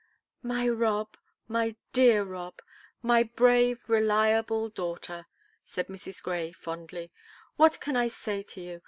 "My Rob, my dear Rob, my brave, reliable daughter," said Mrs. Grey, fondly, "what can I say to you?